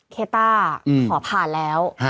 เคต้าขอผ่านแล้ว